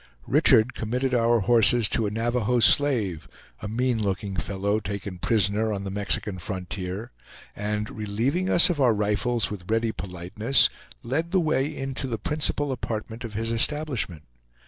Richard committed our horses to a Navahoe slave, a mean looking fellow taken prisoner on the Mexican frontier; and, relieving us of our rifles with ready politeness, led the way into the principal apartment of his establishment.